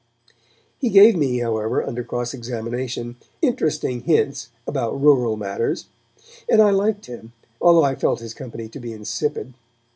He gave me, however, under cross examination, interesting hints about rural matters, and I liked him, although I felt his company to be insipid.